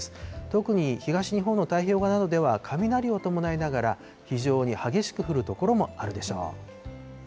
特に東日本の太平洋側などでは、雷を伴いながら、非常に激しく降る所もあるでしょう。